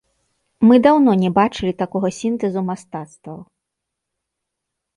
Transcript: Мы даўно не бачылі такога сінтэзу мастацтваў.